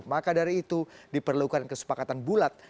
maka dari itu diperlukan kesepakatan bulat